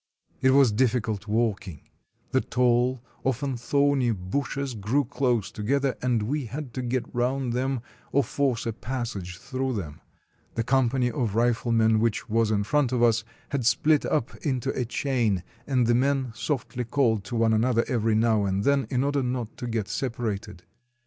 It was difficult walking; the tall, often thorny, bushes 212 THE TAKING OF THE VILLAGE grew close together, and we had to get round them or force a passage through them. The company of riflemen, which was in front of us, had spHt up into a chain, and the men softly called to one another every now and then in order not to get separated.